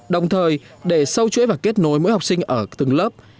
đồng thời để sâu chuỗi và kết nối mỗi học sinh ở từng lớp